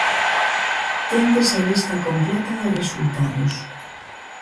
Tendes a lista completa de resultados.